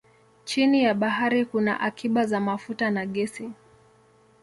Chini ya bahari kuna akiba za mafuta na gesi.